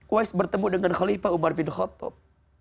uys bertemu dengan khalifah umar bin khotob